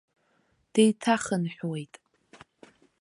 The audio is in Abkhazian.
Деиҭахынҳәуеит.